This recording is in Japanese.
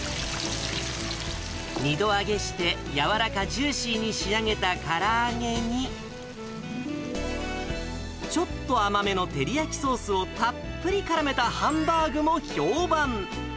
２度揚げして柔らかジューシーに仕上げたから揚げに、ちょっと甘めの照り焼きソースをたっぷりからめたハンバーグも評判。